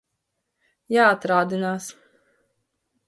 Jāatrādinās.